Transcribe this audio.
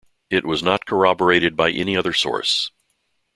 It was not corroborated by any other source.